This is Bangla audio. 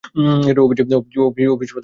অফিস প্রধান হলেন চেয়ারম্যান।